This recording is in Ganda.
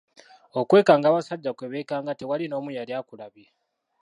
Okwekanga abasajja kwe beekanga tiwali n'omu yali akulabye.